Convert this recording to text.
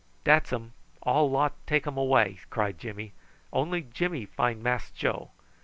"Dats um all lot take um way," cried Jimmy. "Only Jimmy find Mass Joe.